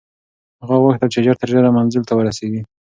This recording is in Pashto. هغه غوښتل چې ژر تر ژره منزل ته ورسېږي.